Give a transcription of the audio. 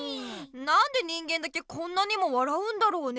なんで人間だけこんなにも笑うんだろうね？